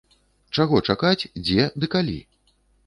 Чаго чакаць, дзе ды калі?